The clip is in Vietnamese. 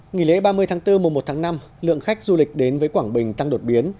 nghỉ lễ ba mươi tháng bốn mùa một tháng năm lượng khách du lịch đến với quảng bình tăng đột biến